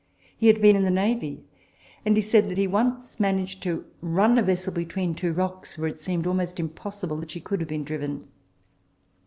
He had been in the navy ; and he said that he once managed to run a vessel between two rocks, where it seemed almost impossible that she could have been driven.